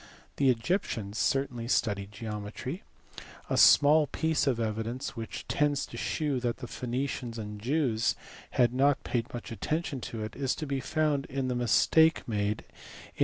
The Egyptians certainly studied geometry. A small piece of evidence which tends to shew that the Phoenicians and Jews had not paid much attention to it is to be found in the mistake made in